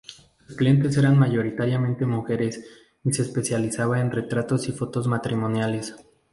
Sus clientes eran mayoritariamente mujeres y se especializaba en retratos y fotos matrimoniales.